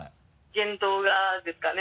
言動がですかね？